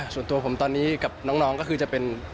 ส่วนตัวผมตอนนี้กับน้องก็คือจะเป็น